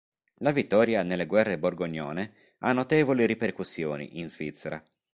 La vittoria nelle guerre borgognone ha notevoli ripercussioni in Svizzera.